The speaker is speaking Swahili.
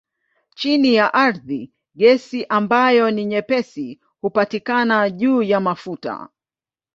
Chini ya ardhi gesi ambayo ni nyepesi hupatikana juu ya mafuta.